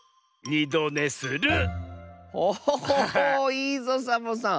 いいぞサボさん。